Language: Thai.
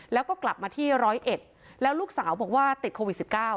แล้วก็กลับมาที่ร้อยเอ็ดแล้วลูกสาวบอกว่าติดโควิด๑๙